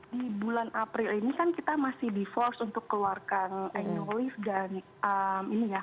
di bulan april ini kan kita masih di force untuk keluarkan annual lift dan ini ya